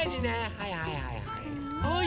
はいはいはいはい。